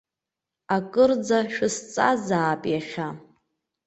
Акырӡа шәысҵазаап иахьа.